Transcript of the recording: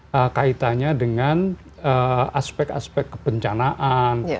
ada kaitannya dengan aspek aspek kebencanaan